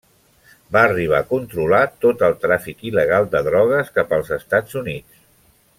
Va arribar a controlar tot el tràfic il·legal de drogues cap als Estats Units.